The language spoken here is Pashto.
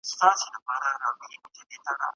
زه هم اسېوان، ته هم اسېوان، ته ماته وائې غزل ووايه.